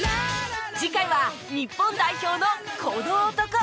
次回は日本代表のこの男！